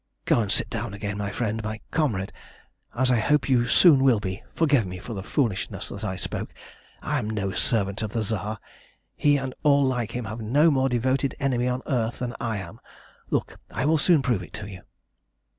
Go and sit down again, my friend, my comrade, as I hope you soon will be. Forgive me for the foolishness that I spoke! I am no servant of the Tsar. He and all like him have no more devoted enemy on earth than I am. Look! I will soon prove it to you."